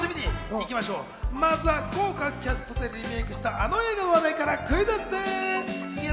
まずは豪華キャストでリメイクしたあの映画の話題からクイズッス。